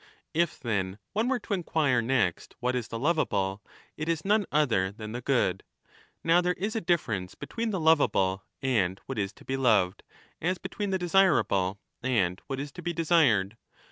If,' then, one were to inquire next what is the lovable, it is none other than the good. Now there is a difference between the lovable and what is to be loved, as between the desirable and what is to be desired.